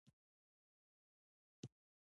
په پښتو کې صنف ته ټولګی ویل کیږی.